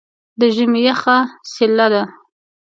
د ژمي یخه څیله ده.